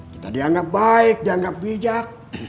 kita dianggap baik dianggap bijak